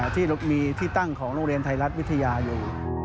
ที่มีที่ตั้งของโรงเรียนไทยรัฐวิทยาอยู่